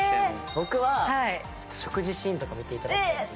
僕は食事シーンを見ていただきたいですね。